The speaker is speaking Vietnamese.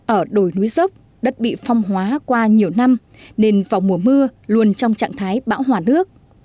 ở đồi núi dốc đất bị phong hóa qua nhiều năm nên vào mùa mưa luôn trong trạng thái bão hòa nước